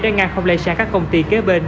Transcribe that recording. đã ngang không lây sang các công ty kế bên